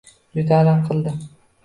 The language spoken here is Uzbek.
Juda alam qildi